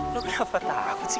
lo kenapa takut sih